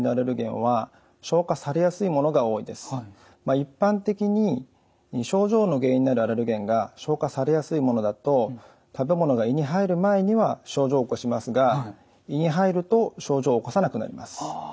一般的に症状の原因になるアレルゲンが消化されやすいものだと食べ物が胃に入る前には症状を起こしますが胃に入ると症状を起こさなくなります。